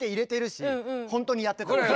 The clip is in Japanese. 本当にやってたね。